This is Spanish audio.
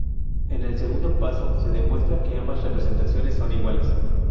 En el segundo paso, se demuestra que ambas representaciones son iguales.